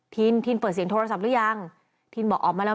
ทินทินเปิดเสียงโทรศัพท์หรือยังทินบอกออกมาแล้ว